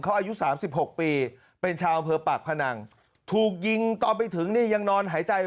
เขาอายุสามสิบหกปีเป็นชาวเผลอปากพนังถูกยิงต่อไปถึงนี่ยังนอนหายใจ